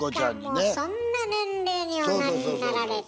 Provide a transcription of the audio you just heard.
もうそんな年齢におなりになられて。